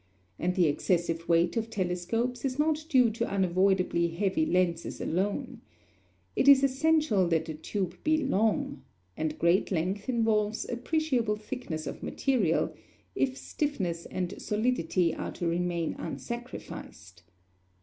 And the excessive weight of telescopes is not due to unavoidably heavy lenses alone. It is essential that the tube be long; and great length involves appreciable thickness of material, if stiffness and solidity are to remain unsacrificed.